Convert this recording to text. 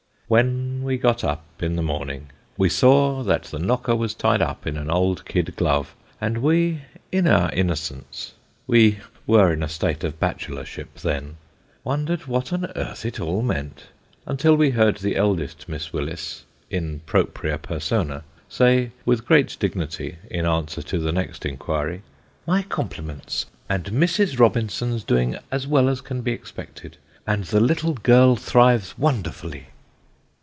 When we got up in the morning we saw that the knocker was tied up in an old white kid glove ; and we, in our innocence (we were in a state of bachelorship then), wondered what on earth it all meant, until we heard the eldest Miss Willis, in proprid persona, say, with great dignity, in answer to the next inquiry, "Hy compliments, and Mrs. Robinson's doing as well as can be expected, and the little girl thrives wonderfully."